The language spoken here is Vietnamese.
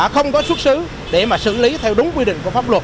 không có xuất xứ để xử lý theo đúng quy định